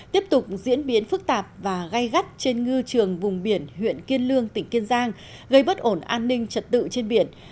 tiếp tục diễn biến phức tạp và gai gắt trên ngư trường vùng biển huyện kiên lương tỉnh kiên giang gây bất ổn an ninh trật tự trên biển